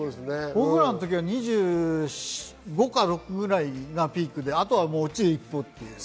僕らの時は２５か６ぐらいがピークであとは落ちる一方です。